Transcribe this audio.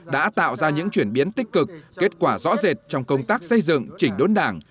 đã tạo ra những chuyển biến tích cực kết quả rõ rệt trong công tác xây dựng chỉnh đốn đảng